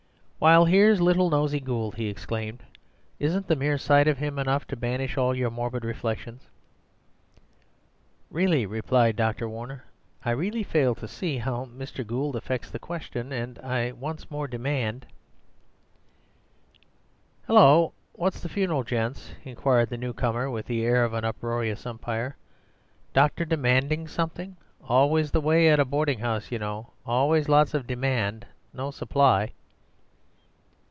"Why, here's little Nosey Gould," he exclaimed. "Isn't the mere sight of him enough to banish all your morbid reflections?" "Really," replied Dr. Warner, "I really fail to see how Mr. Gould affects the question; and I once more demand—" "Hello! what's the funeral, gents?" inquired the newcomer with the air of an uproarious umpire. "Doctor demandin' something? Always the way at a boarding house, you know. Always lots of demand. No supply."